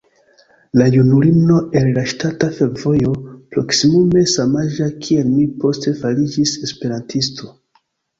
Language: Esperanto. La junulino el la ŝtata fervojo, proksimume samaĝa kiel mi, poste fariĝis esperantisto.